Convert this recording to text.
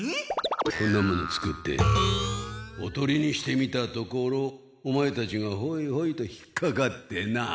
こんなものを作っておとりにしてみたところオマエたちがホイホイと引っかかってな。